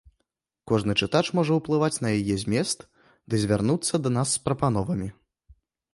Кожны чытач можа ўплываць на яе змест ды звярнуцца да нас з прапановамі.